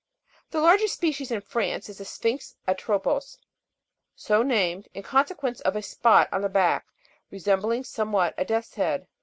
23. The largest species in France is the Sphinx atropos, so named, in consequence of a spot on the back resembling some what a death's head.